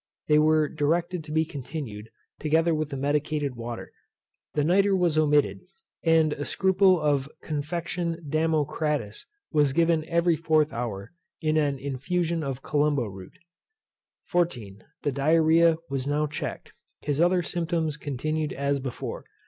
They were directed to be continued, together with the medicated water. The nitre was omitted, and a scruple of the Confect. Damocratis was given every fourth hour, in an infusion of columbo root. 14. The Diarrhoea was how checked, His other symptoms continued as before.